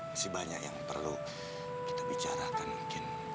masih banyak yang perlu kita bicarakan mungkin